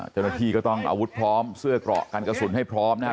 เจ้าหน้าที่ก็ต้องอาวุธพร้อมเสื้อกรอกกันกระสุนให้พร้อมนะครับ